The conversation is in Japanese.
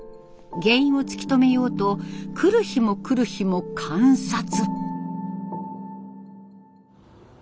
原因を突き止めようと来る日も来る日も観察！